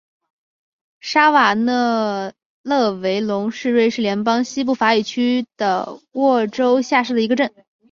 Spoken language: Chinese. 沙瓦讷勒维龙是瑞士联邦西部法语区的沃州下设的一个镇。